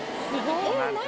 えっ何？